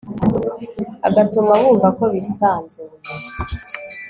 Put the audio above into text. agatuma bumva ko bisanzuye